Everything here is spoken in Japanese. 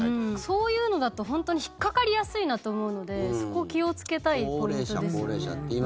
そういうのだと本当に引っかかりやすいなと思うのでそこ気をつけたいポイントですよね。